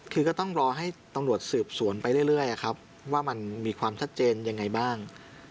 คือก็ต้องรอให้ตำรวจสืบสวนไปเรื่อยครับว่ามันมีความชัดเจนยังไงบ้าง